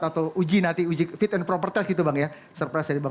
atau uji fit and proper test gitu bang ya